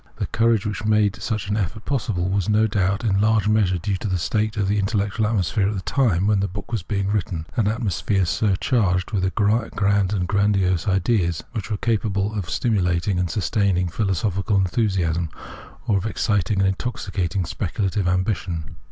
The courage which made such an effort possible was, no doubt, in large measure due to the state of the in tellectual atmosphere at the time when the book was written, an atmosphere surcharged with grand and grandiose ideas, which were capable of stimulating and sustaining philosophical enthusiasm, or of exciting and intoxicating speculative ambition.